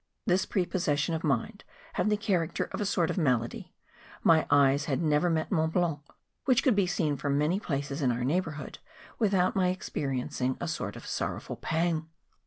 This prepossession of mind had the character of a sort of malady; my eyes had never met Mont Blanc, which could be seen from many places in our neigh¬ bourhood, without my experiencing a sort of'sorrow¬ ful pang.